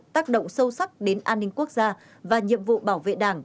tác động sâu sắc đến an ninh quốc gia và nhiệm vụ bảo vệ đảng